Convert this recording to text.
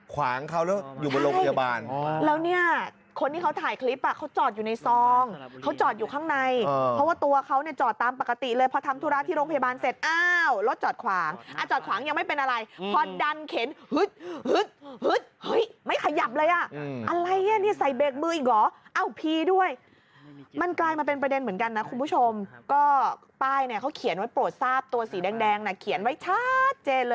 ขวางเขาแล้วอยู่บนโรงพยาบาลอ๋อ